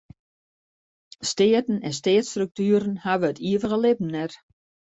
Steaten en steatsstruktueren hawwe it ivige libben net.